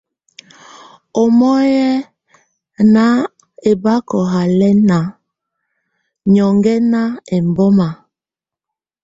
Ɛ́mɔ̀á yɛ́ ná ɛbakɔ̀ halɛna niɔ̀gǝna ɛmbɔma.